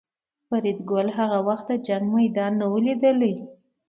فریدګل هغه وخت د جنګ میدان نه و لیدلی